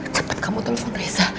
cepat kamu telepon reza